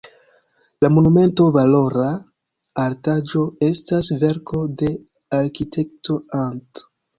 La monumento, valora artaĵo, estas verko de arkitekto Ant.